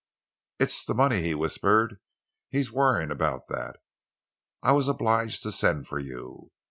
"It's the money," he whispered. "He is worrying about that. I was obliged to send for you.